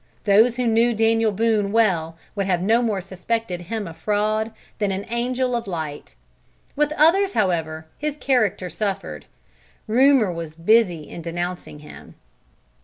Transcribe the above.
Those who knew Daniel Boone well would have no more suspected him of fraud than an angel of light. With others however, his character suffered. Rumor was busy in denouncing him.